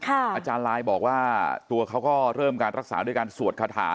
อาจารย์ลายบอกว่าตัวเขาก็เริ่มการรักษาด้วยการสวดคาถา